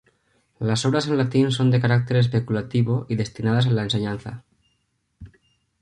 Las obras en latín son de carácter especulativo y destinadas a la enseñanza.